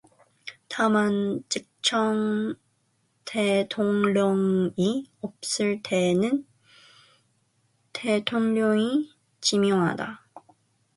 다만, 직전대통령이 없을 때에는 대통령이 지명한다.